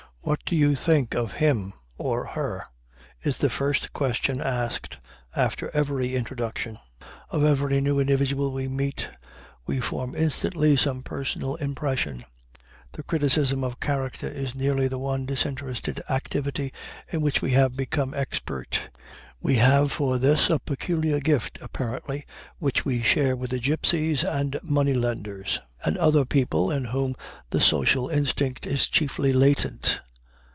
What do you think of him, or her? is the first question asked after every introduction. Of every new individual we meet we form instantly some personal impression. The criticism of character is nearly the one disinterested activity in which we have become expert. We have for this a peculiar gift, apparently, which we share with gypsies and money lenders, and other people in whom the social instinct is chiefly latent.